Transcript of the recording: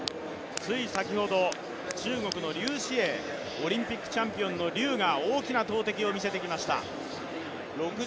つい先ほど、中国の劉詩穎、オリンピックチャンピオンの劉が大きな投てきを見せてきました。